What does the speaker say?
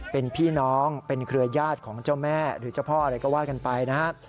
เป็นพี่น้องเป็นเครือญาติของเจ้าแม่หรือเจ้าพ่ออะไรก็ว่ากันไปนะครับ